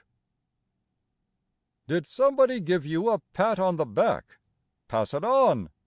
PASS. Did somebody give you a pat on the back? Pass it on!